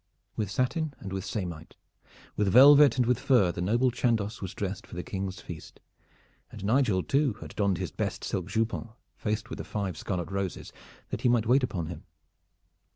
With satin and with samite, with velvet and with fur, the noble Chandos was dressed for the King's feast, and Nigel too had donned his best silk jupon, faced with the five scarlet roses, that he might wait upon him.